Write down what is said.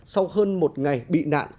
sau hơn một ngày bị nạn